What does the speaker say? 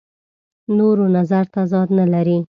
نورو نظر تضاد نه لري.